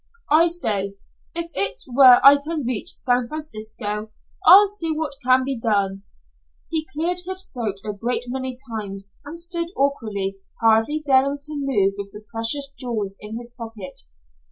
"I say if it's where I can reach San Francisco, I'll see what can be done." He cleared his throat a great many times, and stood awkwardly, hardly daring to move with the precious jewels in his pocket.